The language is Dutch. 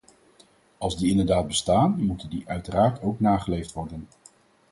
Als die inderdaad bestaan, moeten die uiteraard ook nageleefd worden.